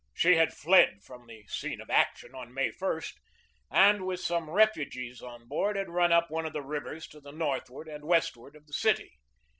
She had fled from the scene of action on May i, and with some refugees on board had run up one of the rivers to the northward and westward of the city.